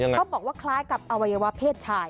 เขาบอกว่าคล้ายกับอวัยวะเพศชาย